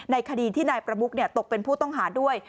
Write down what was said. คดีที่นายประมุกตกเป็นผู้ต้องหาด้วย